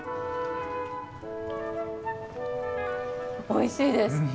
おいしいです。